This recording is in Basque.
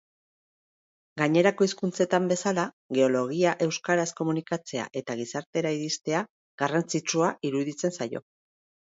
Gainerako hizkuntzetan bezala, geologia euskaraz komunikatzea eta gizartera iristea garrantsitsua iruditzen zaio.